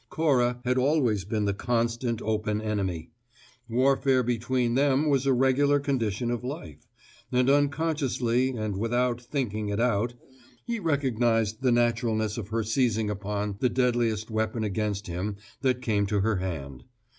Cora had always been the constant, open enemy: warfare between them was a regular condition of life; and unconsciously, and without "thinking it out," he recognized the naturalness of her seizing upon the deadliest weapon against him that came to her hand.